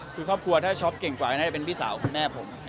คือครอบครัวถ้าช็อปเก่งกว่าน่าจะเป็นพี่สาวคุณแม่ผม